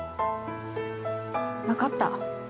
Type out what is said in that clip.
分かった。